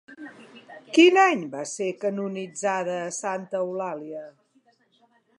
Quin any va ser canonitzada Santa Eulàlia?